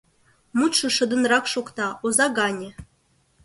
Мутшо шыдынрак шокта, оза гане.